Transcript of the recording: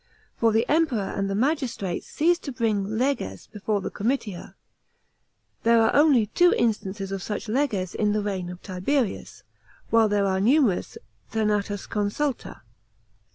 For the Emperor and the magistrates ceased to bring leges before the comitia; there are only two instances of such leges in the reign of Tiberius, while there are numerous senatusconsulta.